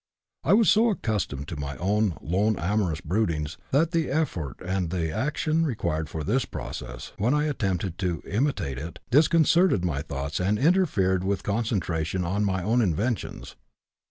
I was so accustomed to my own lone amorous broodings that the effort and action required for this process, when I attempted to imitate it, disconcerted my thoughts and interfered with concentration on my own inventions.